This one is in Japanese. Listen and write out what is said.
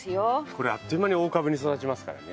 これあっという間に大株に育ちますからね。